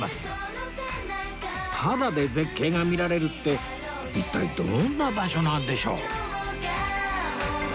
タダで絶景が見られるって一体どんな場所なんでしょう？